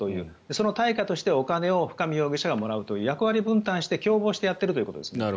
その対価として、お金を深見容疑者がもらうという役割分担して共謀してやっているということです。